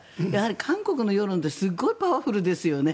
韓国の世論ってすごいパワフルですよね。